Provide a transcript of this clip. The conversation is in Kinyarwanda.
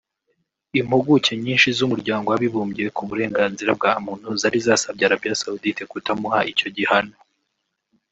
Impuguke nyinshi z’Umuryango w’abibumbye ku burenganzira bwa muntu zari zasabye Arabia Saudite kutamuha icyo gihano